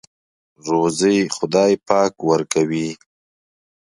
روزۍ خدای پاک ورکوي.